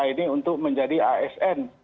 ini untuk menjadi asn